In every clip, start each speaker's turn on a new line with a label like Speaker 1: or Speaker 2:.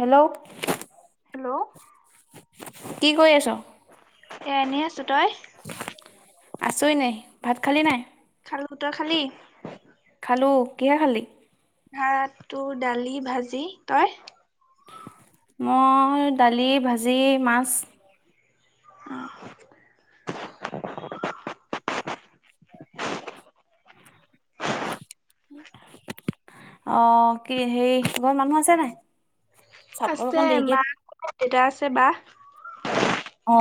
Speaker 1: Hello
Speaker 2: hello
Speaker 1: কি কৰি আছ
Speaker 2: এ এনেই আছো তই
Speaker 1: আছই নাই ভাত খালি নাই
Speaker 2: খালো তই খালি [unintelligible]
Speaker 1: খালো কিহে খালি।
Speaker 2: ভাতটো দালি ভাজি তই।
Speaker 1: মই দালি ভাজি মাছ।
Speaker 2: [inaudible]
Speaker 1: আহ কি হে ঘৰত মানুহ আছে নাই। চাপৰ অকণ দেৰিকে।
Speaker 2: কটা আছে বাহ।
Speaker 1: অ,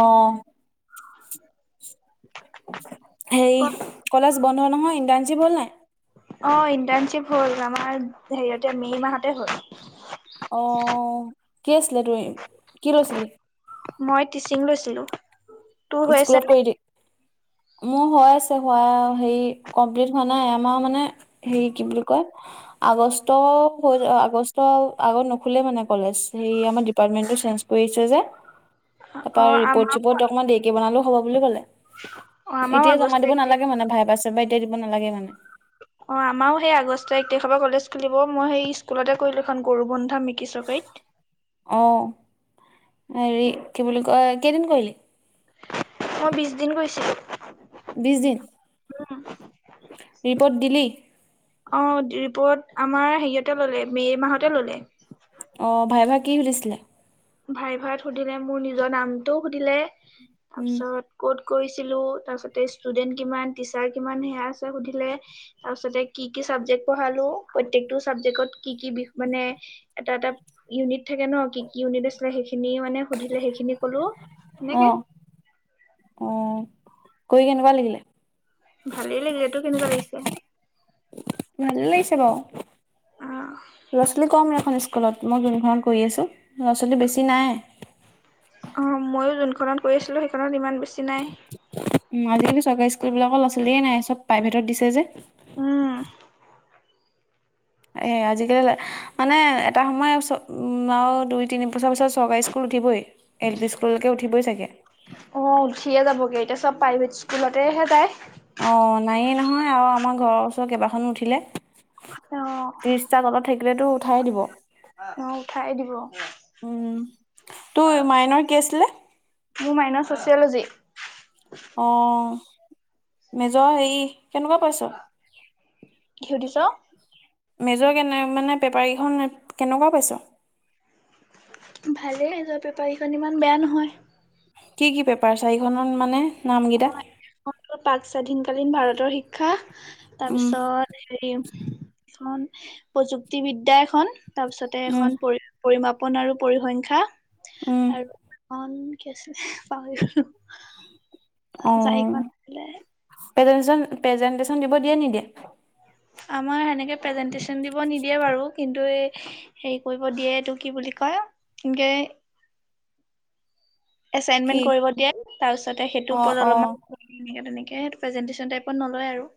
Speaker 1: সেই কলেজ। বন্ধু নহয় ইন্দ্ৰাণজীব হ'ল নাই?
Speaker 2: অ ইণ্টাৰ্ণশ্বিপ হ'ল আমাৰ হেৰিয়তে মে' মাহতে হ'ল।
Speaker 1: অ কি আছিলে তু কি লৈছিলি [unintelligible]
Speaker 2: মই টিচিং লৈছিলোঁ।
Speaker 1: স্কুলত কৰি দিম। মোৰ হৈ আছে, হোৱা হেৰি কমপ্লিট হোৱা নাই আমাৰ মানে হেৰি কি বুলি কয়। আগুষ্ট, আগষ্ট নোখোলে মানে কলেজ ডিপাৰ্টমেণ্ট আমাৰ। চেঞ্জ কৰিছে যে,
Speaker 2: অ
Speaker 1: তাৰপৰা ৰিপৰ্ট
Speaker 2: আমাৰ
Speaker 1: চিপৰ্ট অকমান দেৰিকে বনালেও হ'ব বুলি ক'লে।
Speaker 2: অ আমাৰো
Speaker 1: এতিয় জমা
Speaker 2: আগষ্ট
Speaker 1: দিব
Speaker 2: এক তাৰিখ
Speaker 1: নালাগে মানে, ভাইবা সাইভা বা এতিয়াই দিব নালাগে মানে।
Speaker 2: অ, আমাৰো সেই আগষ্ট এক তাৰিখৰ পৰা কলেজ খুলিব মই সেই স্কুলতে কৰিলো এখন গৰু বন্ধু। কথা মিকিছকেইত।
Speaker 1: অঁ হেৰি কি বুলি কয় কেইদিন কৰিলি।
Speaker 2: মই বিশ দিন কৰিছিলোঁ।
Speaker 1: বিশছ দিন। ৰিপৰ্ট দিলি
Speaker 2: অ, ৰিপৰ্ট। আমাৰ হেয়তে ললে মে মাহতে ললে।
Speaker 1: অ ভাইবা ভাইবা কি সুধিছিলে?
Speaker 2: ভাইবা ভাইাবাত সুধিলে মোৰ নিজৰ নামটোও সুধিলে তাৰপিছত ক'ত। কৰিছিলো তাৰপিছতে ষ্টুডেন্ট কিমান, টিচাৰ কিমান সেয়া আছে সুধিলে তাৰপিছতে কি কি। পঢ়ালো, প্ৰতেকটো চাবজেক্টত কি কি বিষ মানে এটা এটা ইউনিট থাকে ন। কি উনে দ। সেইখিনি মানে সুধিলে সেইখিনি কলো, সেনেকে।
Speaker 1: অঁ অঁ কৰি কেনেকুৱা লাগিলে?
Speaker 2: ভালেই লাগিলে তোৰ কেনেকুৱা লাগিছে?
Speaker 1: ভালেই লাগিছে বাৰু,
Speaker 2: অ
Speaker 1: ল'ৰা ছোৱালী কম এখন। স্কুলত, মই যোনখনৰত কৰি আছোঁ ল'ৰা ছোৱালী বেছি নাই।
Speaker 2: অ, মইো যোনখনত কৰি আছিলো সেইখনত ইমান বেছি। নাই
Speaker 1: আজিকালি চৰকাৰী স্কুল বিলাকৰ লছিলেই নাই চব প্ৰাইভেটত দিছে যে।
Speaker 2: উম।
Speaker 1: এই, আজিকালি মানে এটা সময় আৰু দুই তিনি বছৰ পিছত চৰকাৰী স্কুল উঠিবই। এল পি স্কুললৈকে উঠিবই চাগে।
Speaker 2: অ উঠিয়ে যাবগে এতিয়া চব প্ৰাইভেট স্কুলতেহে যায়।
Speaker 1: অ, নায়েই নহয় আৰু আমাৰ ঘৰৰ ওচৰ কেইবাখনো উঠিলে।
Speaker 2: অঁ।
Speaker 1: তো উঠাইে দিব।
Speaker 2: উঠাই দিব
Speaker 1: উম তোৰ মাইনৰ কি আছিলে?
Speaker 2: মোৰ মাইন ছ'চিয়'লজি।
Speaker 1: অ, মেজৰ হেৰি। কেনেকুৱা পাইছ?
Speaker 2: সুধিছ
Speaker 1: মেজৰ কেনে মানে পেপাৰ কেইখন কেনেকুৱা পাইছ।
Speaker 2: ভালেই যোৱা পেপাৰীখন ইমান বেয়া নহয়।
Speaker 1: কি কি পেপাৰ চাৰিখনত মানে নামকেইটা?
Speaker 2: প্ৰাক স্বাধীনকালীন ভাৰতৰ শিক্ষা,
Speaker 1: উম
Speaker 2: তাৰপিছত হেৰি এখন প্ৰযুক্তিবিদ্যা এখন তাৰপিছতে
Speaker 1: উম
Speaker 2: এখন পৰি পৰিমাপন আৰু পৰিসংখ্যা,
Speaker 1: উম
Speaker 2: আৰু এখন কি আছিলে পাহৰি গলো।
Speaker 1: [inaudible]
Speaker 2: চাৰিখন আছিলে।
Speaker 1: প্ৰেজেন প্ৰেজেণ্টেশচন দিব দিয়ে নিদিয়ে?
Speaker 2: আমাৰ সেনেকে প্ৰেজেনটেচন দিব নিদিয়ে বাৰু। কিন্তু এই হেৰি কৰিব দিয়ে এইটো কি বুলি কয় এনেকে এচাইনমেন্ট
Speaker 1: কি
Speaker 2: কৰিব দিয়ে তাৰপিছতে সেইটোৰ
Speaker 1: অ',
Speaker 2: ওপৰত অলপমান
Speaker 1: অ',
Speaker 2: তে তে প্ৰেজেনটেচন টাইপত নলয় আৰু।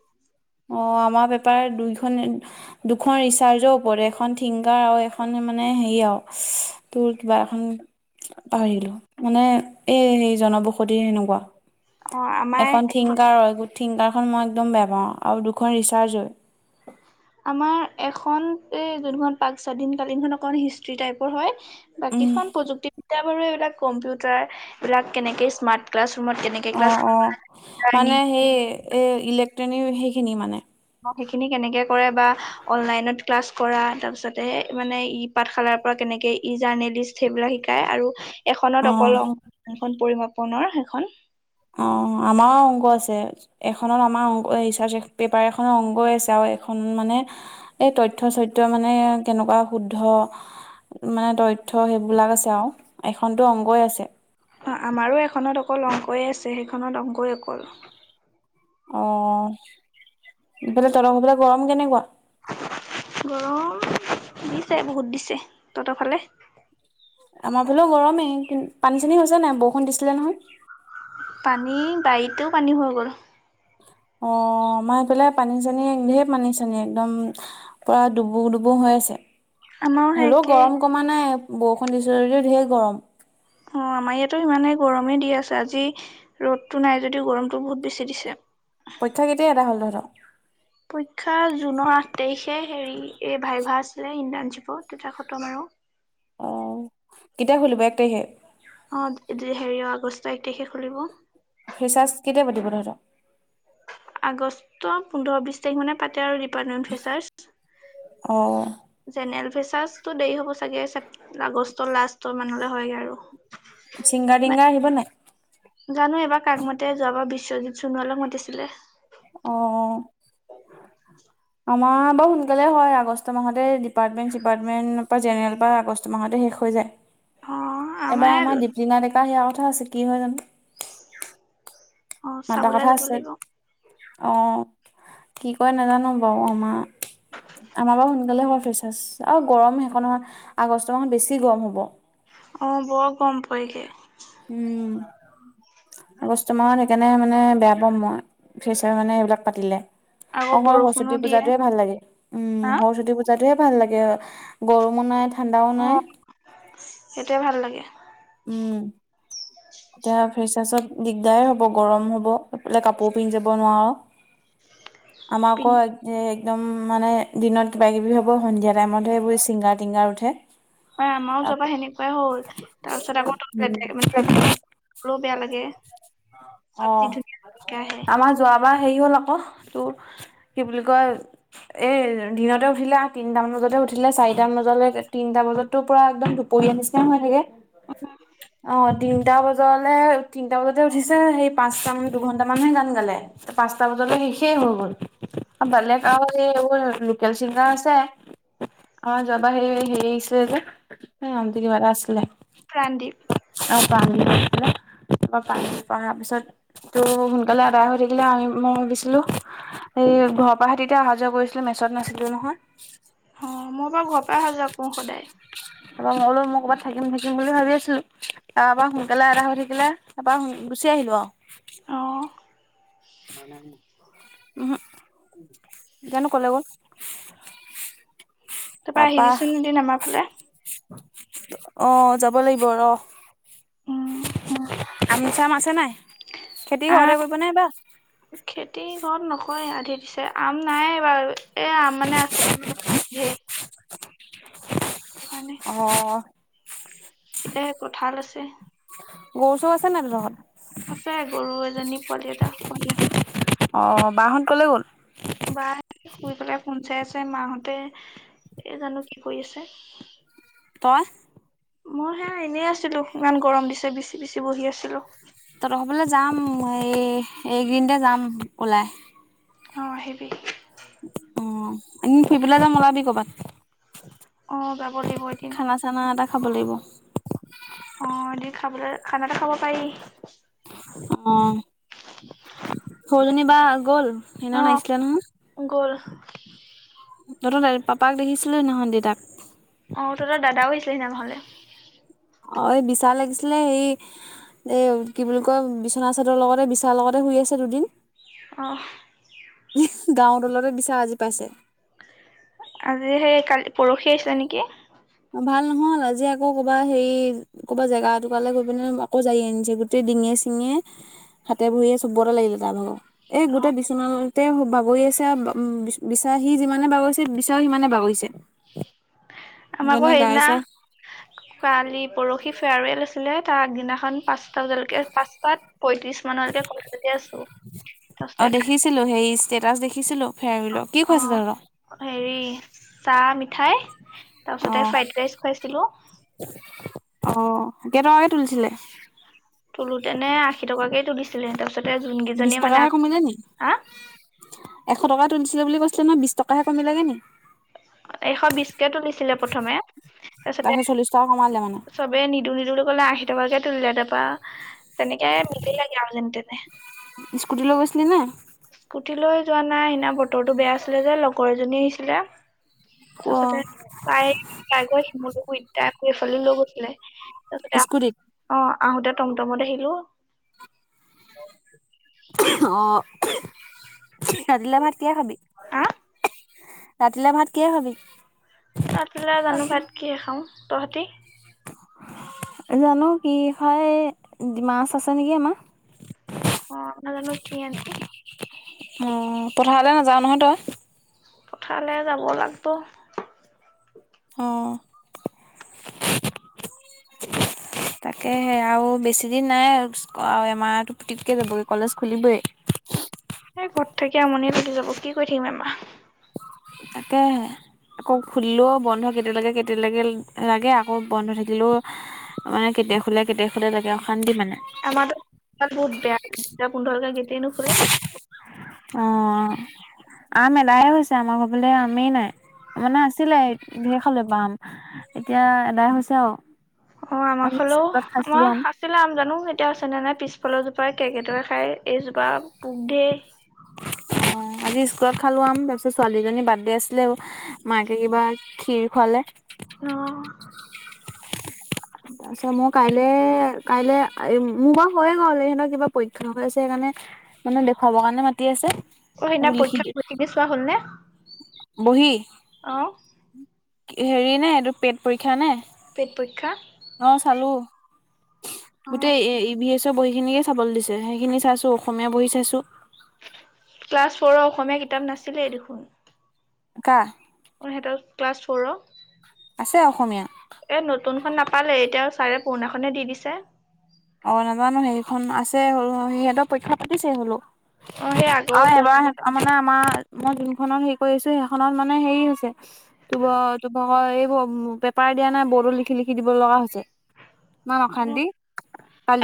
Speaker 1: অ আমাৰ পেপাৰ দুখন দুখন ৰিচাৰ্জৰ ওপৰত এখন থিংকাৰ আৰু এখন মানে হেৰি আও তোৰ কিবা এখন পাহৰিলো মানে এই সেই জনবসতি সেনকুৱা।
Speaker 2: অ
Speaker 1: এখন
Speaker 2: আমাৰ
Speaker 1: থিংকাৰ হয় গুড থিংকাৰখন মই একদম বেয়া পাওঁ আউ দুখন ৰিচাৰ্জ হয়।
Speaker 2: আমাৰ এখন এই যোনখন পাক স্বাধীন কালীনখন এখন হিষ্ট্ৰি টাইপৰ হয়।
Speaker 1: উম
Speaker 2: বাকীখন প্ৰযুক্তিবিদ্যা বাৰু এইবিলাক কম্পিউটাৰ এইবিলাক কেনেকে স্মাৰ্ট ক্লাছ ৰুমত কেনেকে
Speaker 1: অ
Speaker 2: ক্লাছ
Speaker 1: অ মানে সেই এ ইলেক্ট্ৰনিক সেইখিনি মানে?
Speaker 2: সেইখিনি কেনেকে কৰে বা অনলাইনত ক্লাছ কৰা তাৰপিছতে মানে ই পাঠশালাৰ পৰা কেন এনেকে ই জানেলিষ্ট সেইবিলাক শিকায় আৰু এখনত
Speaker 1: অ'।
Speaker 2: অকল অংকন পৰিমাপনৰ সেইখন।
Speaker 1: অ আমাও অংক আছে এখনত আমাৰ অং এ ৰিচাৰ্চ পেপাৰ এখনৰ অংকই আছে আও এখন মানে এই তথ্য সৈত মানে কেনেকুৱা শুদ্ধ মানে তথ্য সেইবিলাক আছে আও, এখনতো অংগই আছে।
Speaker 2: আমাৰো এখনত অকল অংকই আছে সেইখনত অংকই অকল।
Speaker 1: অ এইফালে তহতৰ ঘৰ ফালে গৰম কেনেকুৱা?
Speaker 2: গৰম দিছে বহুত দিছে। তহতৰ ফালে?
Speaker 1: আমাৰ ফালেও গৰমেই, কিন পানী চানী হৈছে নাই বউষণ দিছিলে নহয়?
Speaker 2: পানী বাৰীতেও পানী হৈ গ'ল।
Speaker 1: অ আমাৰ এইফেলাই পানী চানী ঢেৰ পানী চানী একদম পুৰা ডুবু ডুবু হৈ হৈছে,
Speaker 2: আমাৰো সেই
Speaker 1: হ'লেও
Speaker 2: একেই
Speaker 1: গৰম কমা নাই, বষণ দিচে যদিও ঢেৰ গৰম।
Speaker 2: অ আমাৰ ইয়াতো ইমানেই গৰমেই দি আছে, আজি ৰ'দতটো নাই যদিও গৰমতটো বহুত বেছি দিছে।
Speaker 1: পৰীক্ষা কেতিয়া [unintelligible]
Speaker 2: পৰীক্ষা জুনৰ আঠ তাৰিখে হেৰি এই ভাই ভা আছিলে ইণ্টাৰ্ণশ্বিপৰ তেতিয়া খতম আৰু।
Speaker 1: অ কেতিয়া খুলিব এক তাৰিখে?
Speaker 2: অ হেৰি এক আগষ্ট তাৰিখে খুলিব।
Speaker 1: ফ্ৰেছাৰ্ছ কেতিয়া পাতিব তহঁতক?
Speaker 2: আগষ্ট পোন্ধৰ বিছ তাৰিখ মানে পাতে আৰু ডিপাৰ্টমেণ্ট ফেচাৰ্ছ।
Speaker 1: অ।
Speaker 2: জেনেৰেল ফেচাচ টো দেৰি হ'ব চাগে? চেপ আগষ্টৰ লাষ্টৰ মানলে হয়গে আৰু।
Speaker 1: চিংগাৰ তিংগাৰ আহিব নাই?
Speaker 2: জানো এইবাৰ কাক মাতে যোৱাবাৰ বিশ্বজিত সোণোৱালক মাতিছিলে।
Speaker 1: আহ। আমাৰ বাৰু সোনকালে হয়, আগষ্ট মাহতে ডিপাৰ্টমেণ্ট চিপাৰ্টমেণ্ট পা জেনেৰেল পা আগষ্ট মাহতে শেষ। হৈ যায়,
Speaker 2: অ
Speaker 1: এবাৰ আমাৰ দীপলীনা ডেকা সিয়াৰ কথা আছে কি হয় জানো?
Speaker 2: অ চাবলে যাব লাগিব।
Speaker 1: অঁ কি কয় নাজানো বাও? আমা আমাৰ বাৰু সোনকালে হয় ফ্ৰেছাৰ্ছ আৰু গৰম সেইখন হয় আগষ্ট মাহত বেছি গৰম হ'ব।
Speaker 2: অ বৰ গম পয়গে।
Speaker 1: উম। আগষ্ট মাহত সেইকাৰণে মানে বেয়া পাম মই ফ্ৰেচাৰ কাৰনে এইবিলাক পাতিলে
Speaker 2: আকৌ
Speaker 1: অকল
Speaker 2: বৰষুণো
Speaker 1: সৰস্বতী
Speaker 2: দিয়ে
Speaker 1: পূজাটোয়ে ভাল লাগে উম
Speaker 2: হা
Speaker 1: সৰস্বতী পূজাত তে ভাল লাগে গৰমো নাই ঠাণ্ডাও
Speaker 2: অ
Speaker 1: নাই।
Speaker 2: সেইটোৱে ভাল লাগে।
Speaker 1: উম। এতিয়া ফ্ৰেছাৰ্ছত দিগদাৰ হ'ব গৰম হ'ব এফালে কাপোৰ পিন্ধি যাব নোৱাওঁ। আমাৰ
Speaker 2: পিন
Speaker 1: ক এক একদম মানে দিনত কিবা কিবি হ'ব সন্ধিয়া টাইমতহে এইবোৰ চিংগাৰ টিংগাৰ উঠে
Speaker 2: হয় আমাৰো যাৱাবা সেনেকুৱাই হ'ল তাৰ পিছত আকৌ
Speaker 1: উম
Speaker 2: ত মানে মানে কলও বেয়া লাগে চব জি
Speaker 1: অ'
Speaker 2: ধুনীয়াকে আহে।
Speaker 1: আমাৰ সেই হল আক টো কি বুলি কয় এই দিনতে উঠিলে আ তিনটা মান বজাতে উঠিলে চাৰিটা মান বজালে তিনটা বজাততো পূৰা এদম দুপৰীয়া নিচিনা হৈ থাকে। অ তিনটা বজ জলে তিনিটা বজাতে উঠিছে সেই পাঁচটা মান দুঘন্টা মানহে গান গালে পাঁচটা বজালে শেষেই হৈ গল বেলেগ আও এইবোৰ লোকেল চিংগাৰ আছে। অ যোৱা বাৰ হেৰি হেৰি আহিছিলে যে নামটো কিবাতা আছিলে
Speaker 2: প্ৰাণদিপ।
Speaker 1: [unintelligible] ত পান পাৰ পিছত তো সোনকালে আদায় হৈ থাকিলে আমি মই ভাবিছিলো ঘৰৰ পাহে তেতিয়া অহা যোৱা কৰিছিলো মেছত নাছিলো নহয়।
Speaker 2: অ মই বাৰু ঘৰৰ পৰা অহা যোৱা কৰো সদায়
Speaker 1: ত মইলো মই ক'ৰাত থাকিম থাকিম বুলি ভাবি আছিলো তাপা সোনকালে এদাই হৈ থাকিলে তাপা গুচি আহিলো আৰু
Speaker 2: অ
Speaker 1: [unintelligible] উহো জানো ক'লে গল
Speaker 2: তাপা
Speaker 1: তাৰপা
Speaker 2: আহিবিচোন এদিন আমাৰ ফালে
Speaker 1: অ যাব লাগিব ৰহ।
Speaker 2: উম
Speaker 1: আমি চাম আছে নাই খেতি ঘৰতে কৰিব নে এইবা
Speaker 2: চব নকয় আধি দিছে আম নাই এইবাৰ এ আম মানে আছিল চব পকী শেষ
Speaker 1: অ
Speaker 2: এতিয়া কঠাল আছে।
Speaker 1: গৰু চৰু আছে নাই তহঁতৰ ঘৰত
Speaker 2: আছে গৰু এজনী পোৱালি এটা
Speaker 1: অ বা হত কলৈ গ'ল।
Speaker 2: বা শুই পেলাই ফোন চাই আছে মাহঁতে এই জানো কি কৰি আছে।
Speaker 1: তই,
Speaker 2: মই সে এনেই আছিলো ইমান গৰম দিছে বিচি বিচি বহি আছিলো।
Speaker 1: তহঁতৰ ঘৰৰ ফালে যাম এই এইগিদিনতে যাম ওলাই
Speaker 2: অ আহিবি।
Speaker 1: অ এনে ফুৰিবলে যাম ওলাবি ক'বাত
Speaker 2: অ যাব লাগিব এদিন।
Speaker 1: চানা এটা খাব লাগিব,
Speaker 2: অ এদিন খাবলৈ খানাতো খাব পাৰি
Speaker 1: অ
Speaker 2: [unintelligible]
Speaker 1: সৰুজনী বা গ'ল
Speaker 2: অ
Speaker 1: সেইদিনাখন আহিছিলে নহয়
Speaker 2: গ'ল
Speaker 1: নতুন পাপাক দেখিছিলো সেইদিনাখন দেতাক
Speaker 2: অ তহতৰ দাদাও আহিছিলি সিদিনা ঘৰলে।
Speaker 1: অ এই বিচা লাগিছিলে হেৰী এ কি বুলি কয় বিচনা চাদৰ লগতে বিচাৰ লগতে শুই, আছে দুদিন
Speaker 2: অহ
Speaker 1: গাও তলতে বিচা আজি পাইছে
Speaker 2: আজি সেই কালি পৰহি আছিলে নেকি
Speaker 1: ভাল নহ'ল আজি আকৌ ক'বা হেৰি ক'বা জেগা এটুকুৱালে গৈ পিনে আকৌ জাৰি আনিছে গোটেই ডিঙেয়ে চিঙে হাতে ভুৰিয়ে চবতে লাগিলে তাৰ ভাগৰ এই
Speaker 2: অ
Speaker 1: গোটেই বিচনা বাগৰি আছে বিচা সি যিমানে বাগৰিছে বিচায়ো সিমানে বাগৰিছে [inaudible]
Speaker 2: আমাৰ আকৌ
Speaker 1: গাই
Speaker 2: সেইদিনা
Speaker 1: চাই
Speaker 2: কালি পৰশি ফেৱাৰৱেল আছিলে তা আগদিনাখন পাচ পাঁচটা পয়ত্ৰিশ মানলৈকে কলেজতে আছো
Speaker 1: ষ্টেটাছ দেখিছিলো
Speaker 2: অ
Speaker 1: ফেয়াৰবিলৰ কি
Speaker 2: অ
Speaker 1: খুৱাইছে তহঁতক
Speaker 2: হেৰি চাহ মিঠাই তাৰ
Speaker 1: অ
Speaker 2: পাছতে ফ্ৰাইড ৰাইচ খুৱাইছিলো
Speaker 1: অ কেইটকাকে তুলি ছিলে?
Speaker 2: তোলোতে এনে আশী টকাকে তুলিছিলে, তাৰপাছত তাতে যোন
Speaker 1: বিশ
Speaker 2: কেইজনী
Speaker 1: টকাহে
Speaker 2: মানে
Speaker 1: কমিলে নি
Speaker 2: হা
Speaker 1: এশ টকা তুলিছিলে বুলি কৈছিলে নহয় বিশ টকাহে কমিলে গে নেকি?
Speaker 2: এশ বিশকে তুলিছিলে প্ৰথমে তাৰপিছতে,
Speaker 1: তাৰপিছত চল্লিশ টকা কমালে মানে
Speaker 2: চবে নিদু নিদু কলে আশী টকাকে তুলিলে, তাৰপা তেনেকে মিলিলেগে আৰু যেনে তেনে।
Speaker 1: স্কুটি লৈ গৈছিলি নে
Speaker 2: স্কুটি লৈ যোৱা নাই সিদিনা বতৰটো বেয়া আছিলে যে লগৰ এজনী আহিছিলে।
Speaker 1: অ
Speaker 2: তাৰপাছতে তাই তাই গৈ শিমলু গুৰিত তাইক আকৌ এইফালে লৈ গছিলে তাৰপাছত
Speaker 1: স্কুটিত
Speaker 2: অঁ, আহোতে টমটমত আহিলো
Speaker 1: অ, ৰাতি লে ভাত কিহে খাবি?
Speaker 2: হা
Speaker 1: ৰাতিলৈ ভাত কিহে খাবি?
Speaker 2: ৰাতিলৈ জানো ভাত কিহে খাওঁ,, তহঁতি?
Speaker 1: জানো কি খাই মাছ আছে নেকি আমাৰ।
Speaker 2: অ নাজানো কি আনে।
Speaker 1: অ পথাৰলৈ নাযাও নহয় তই?
Speaker 2: পথাৰলৈ যাব লাগিব।
Speaker 1: অহ তাকে হে আৰু বেছি দিন নাই, আৰু এমাহটো পুটুক কে যাবগৈ কলেজ খুলিবই হয় [unintelligible]
Speaker 2: এ ঘৰত থাকি আমনি লাগি যাব, কি কৈ থাকিম এমাহ
Speaker 1: তাকেহে আকৌ খুলিলেও বন্ধ কেতিয়ালৈকে কেতিয়ালৈকে লাগে আকৌ বন্ধ থাকিলেও মানে কেতিয়া খুলে কেতিয়া খুলে লাগে অশান্তি মানে।
Speaker 2: আমাৰো বহুত বেয়া দুটা পোন্ধৰ লেকে গেটেই নোখোলে
Speaker 1: অ আম এদাই হৈছে আমাৰ ঘৰ ফালে আমেই নাই মানে আছিলে ধেৰ খালে আম এতিয়াএদাই হৈছে আৰু
Speaker 2: অ আমাৰ
Speaker 1: আজি
Speaker 2: হলেও
Speaker 1: স্কুলত খাইছিলো
Speaker 2: আমাৰ
Speaker 1: আম।
Speaker 2: আছিলে আম জানো এতিয়া আছে নে নাই পিছে পাছফালৰ জোপা কেৰ্কেটুৱায়ে খাই, এইজোপা পোক ধেৰ
Speaker 1: অ আজি স্কুলত খালো আম তাৰপিছত ছোৱালীজনী বাৰ্থডে আছিলে। মাকে কিবা ক্ষীৰ ৰ খুৱালে।
Speaker 2: অ
Speaker 1: তাৰ পিছত মই কাইলে কাইলৈ মোৰ বাৰু হয়ে গল সিহঁতৰ কিবা পৰীক্ষা হৈ আছে সেইকাৰণে মানে দেখুৱাবৰ কাৰণে মাতি আছে
Speaker 2: অহ সেইদিনা
Speaker 1: এইবোৰ লিখি
Speaker 2: পৰীক্ষা অ টি পি চোৱা হ'লনে
Speaker 1: বহী
Speaker 2: অহ
Speaker 1: হেৰি নে এইটোৰ টেট পৰীক্ষা নে?
Speaker 2: পেট পৰীক্ষা
Speaker 1: অ', চালো।
Speaker 2: অ
Speaker 1: গোটেই ই ভী এছৰ বহিখিনিকে চাবলৈ দিছে, সেইখিনি চাইছো অসমীয়া বহি চাইছো
Speaker 2: ক্লাছ ফ'ৰৰ অসমীয়া কিতাপ নাছিলেই দেখোন।
Speaker 1: কা
Speaker 2: অ ক্লাছ ফৰ
Speaker 1: আছে অসমীয়া।
Speaker 2: এ নতুনখন নাপালে এতিয়া ছাৰে পুৰণাখনে দি দিছে।
Speaker 1: খন আছে সিহঁতক পৰীক্ষা পাতিছে হ'লও
Speaker 2: অ সেই আগৰ
Speaker 1: আৰু
Speaker 2: পুৰণা
Speaker 1: এবাৰ মানে আমাৰ মই যোনখনত হেৰি কৰিছো সেইখনত মানে হেৰি হৈছে তো ভা তো ভাগৰ এইবোৰ পেপাৰ দিয়া নাই বোৰ্ডট লিখি লিখি দিব লগা হৈছে,, ইমান
Speaker 2: অ
Speaker 1: অশান্তি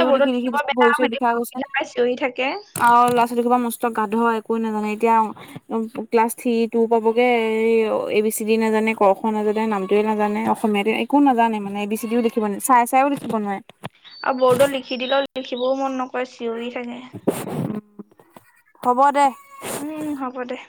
Speaker 2: এই
Speaker 1: লিখি
Speaker 2: বৰ্ডত
Speaker 1: লিখি
Speaker 2: লিখিব বেয়া
Speaker 1: ভৰি চৰি
Speaker 2: সিহঁতি
Speaker 1: বিষাই গৈছে,
Speaker 2: বুজি নাপাই চিঞৰি থাকে
Speaker 1: আৰু ল'ৰা ছোৱালী মস্ত গাধ একোৱে নাজানে, এতিয়া ক্লাছ থ্ৰী টু পাবগে এ বি চি ডি নাজানে ক খ নাজানে নামটোৱে নাজানে অসমীয়াাত একো নাজানে মানে এ বি চি ও লিখিব নে চাই চাইও লিখিব নোৱাৰে।
Speaker 2: আৰু বৰ্ডত লিখি দিলেও লিখিবও মন নকৰে চিঞৰি থাকে
Speaker 1: হ'ব দে
Speaker 2: উম হ'ব দে